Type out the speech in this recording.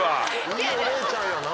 いいお姉ちゃんやな。